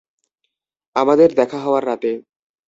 আমাদের দেখা হওয়ার রাতে।